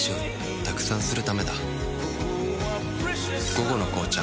「午後の紅茶」